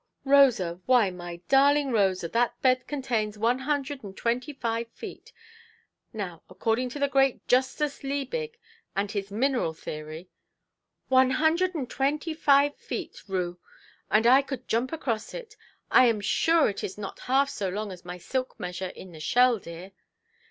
"Rosa, why, my darling Rosa, that bed contains one hundred and twenty–five feet. Now, according to the great Justus Liebig, and his mineral theory——" "One hundred and twenty–five feet, Rue! And I could jump across it! I am sure it is not half so long as my silk measure in the shell, dear"!